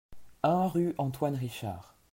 un rue Antoine Richard